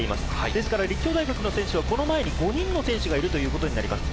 ですから立教大学の選手はこの前に５人の選手がいるということになります。